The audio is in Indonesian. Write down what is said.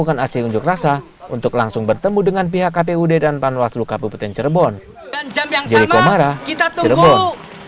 pengunjuk rasa ini terpaksa diamankan petugas kepolisian